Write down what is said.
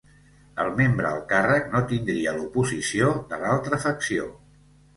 El membre al càrrec no tindria l'oposició de l'altra facció.